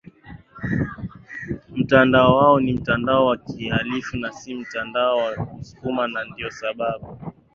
mtandao wao ni mtandao wa kihalifu na si mtandao wa wasukuma Na ndio sababu